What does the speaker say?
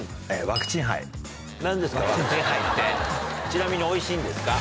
ワクチンハイってちなみにおいしいんですか？